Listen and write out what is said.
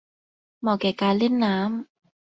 เหมาะแก่การเล่นน้ำ